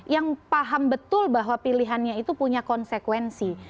yang paham betul bahwa pilihannya itu punya konsekuensi